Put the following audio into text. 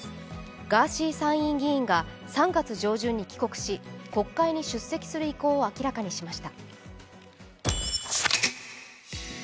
ガーシー参院議員が３月上旬に帰国し、国会に出席する意向を明らかにしました。